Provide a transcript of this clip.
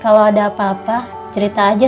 kalau ada apa apa cerita aja